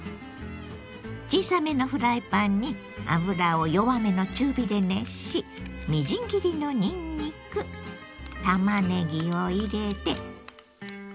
小さめのフライパンに油を弱めの中火で熱しみじん切りのにんにくたまねぎを入れて。